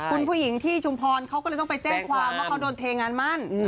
คุณผู้หญิงที่ชุมพรเขาก็เลยต้องไปแจ้งความว่าเขาโดนเทงานมั่น